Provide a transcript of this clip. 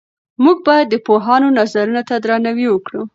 موږ باید د پوهانو نظرونو ته درناوی وکړو.